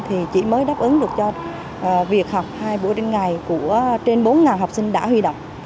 thì chỉ mới đáp ứng được cho việc học hai buổi trên ngày của trên bốn học sinh đã huy động